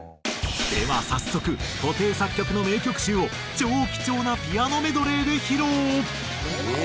では早速布袋作曲の名曲集を超貴重なピアノメドレーで披露。